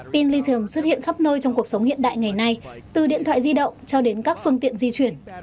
pin lithium xuất hiện khắp nơi trong cuộc sống hiện đại ngày nay từ điện thoại di động cho đến các phương tiện di chuyển